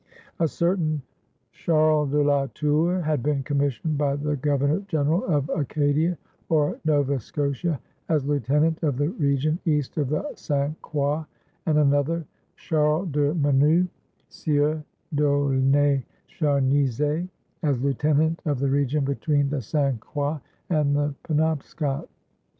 A certain Charles de la Tour had been commissioned by the Governor General of Acadia or Nova Scotia as lieutenant of the region east of the St. Croix, and another, Charles de Menou, Sieur d'Aulnay Charnisé, as lieutenant of the region between the St. Croix and the Penobscot.